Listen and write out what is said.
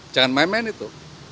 jangan main main itu